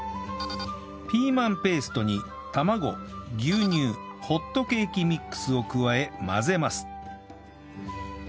ピーマンペーストに卵牛乳ホットケーキミックスを加え混ぜます